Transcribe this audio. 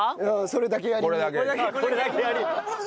それだけ。